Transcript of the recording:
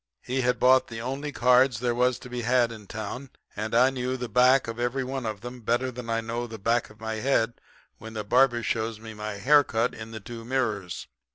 He had bought the only cards there was to be had in town; and I knew the back of every one of them better than I know the back of my head when the barber shows me my haircut in the two mirrors.